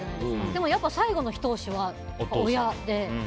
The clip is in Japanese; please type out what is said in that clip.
でも、やっぱり最後のひと押しは親で。